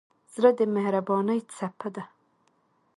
زړه د مهربانۍ څپه ده.